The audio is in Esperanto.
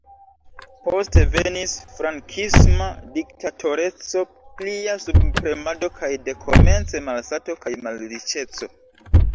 Poste venis frankisma diktatoreco, plia subpremado kaj dekomence malsato kaj malriĉeco.